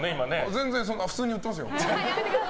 全然普通に売ってますよ。